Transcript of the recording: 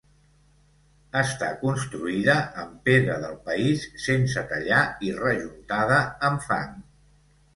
Està construïda amb pedra del país sense tallar i rejuntada amb fang.